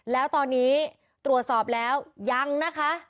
แล้วตอนนี้ตรวจสอบแล้วยังนะคะ